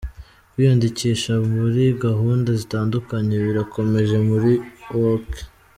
Kwiyandikisha muri gahunda zitandukanye birakomeje muri UoK.